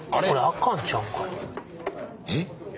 えっ？